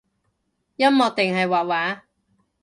音樂定係畫畫？